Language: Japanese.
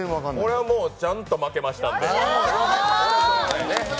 これはもうちゃんと負けましたんで。